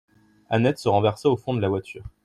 Annette se renversa au fond de la voiture.